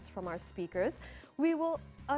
dari para penyelesaian kami